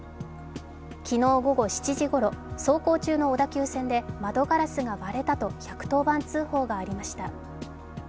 昨日午後７時ごろ、走行中の小田急線で窓ガラスが割れたと１１０番通報がありました。